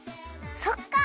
そっか！